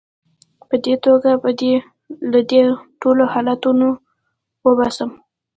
په دې توګه به دې له دې ټولو حالتونو وباسم.